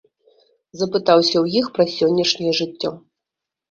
Запытаўся ў іх пра сённяшняе жыццё.